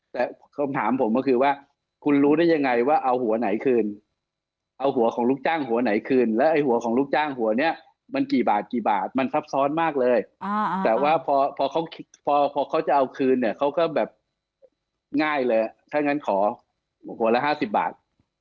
แต่คำถามผมก็คือว่าคุณรู้ได้ยังไงว่าเอาหัวไหนคืนเอาหัวของลูกจ้างหัวไหนคืนแล้วไอ้หัวของลูกจ้างหัวนี้มันกี่บาทกี่บาทมันซับซ้อนมากเลยแต่ว่าพอเขาพอเขาจะเอาคืนเนี่ยเขาก็แบบง่ายเลยถ้างั้นขอหัวละ๕๐บาท